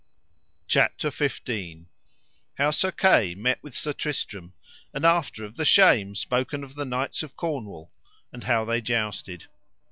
CHAPTER XIV. How Sir Kay met with Sir Tristram, and after of the shame spoken of the knights of Cornwall, and how they jousted.